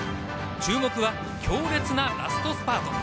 注目は、強烈なラストスパート。